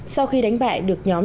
sau khi đánh bại được nhóm